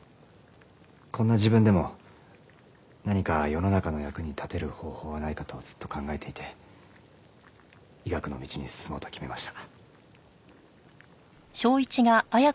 こんな自分でも何か世の中の役に立てる方法はないかとずっと考えていて医学の道に進もうと決めました。